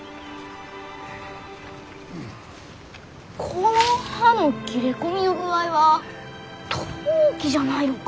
この葉の切れ込みの具合はトウキじゃないろか？